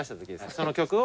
その曲を。